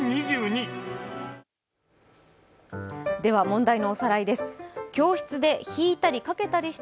問題のおさらいです。